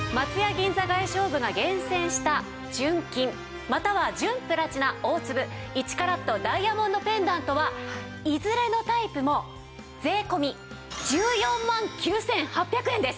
銀座外商部が厳選した純金または純プラチナ大粒１カラットダイヤモンドペンダントはいずれのタイプも税込１４万９８００円です！